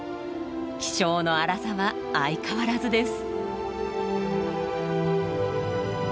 気性の荒さは相変わらずです。